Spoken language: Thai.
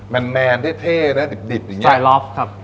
มันแนนแทบนะดิบอย่างนี้